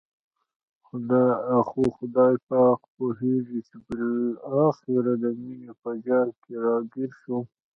خو خدای پاک پوهېږي چې بالاخره د مینې په جال کې را ګیر شوم.